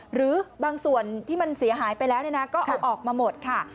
หรือบางส่วนที่มันเสียหายไปแล้วก็เอาออกมาหมดค่ะ